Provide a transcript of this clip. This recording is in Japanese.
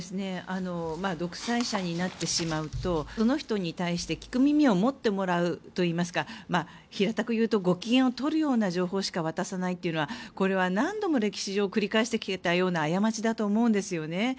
独裁者になってしまうとその人に対して、聞く耳を持ってもらうといいますか平たく言うとご機嫌を取るような情報しか渡さないというのはこれは何度も歴史上繰り返してきたような過ちだと思うんですね。